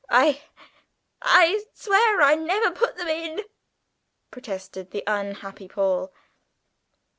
"I I swear I never put them in!" protested the unhappy Paul.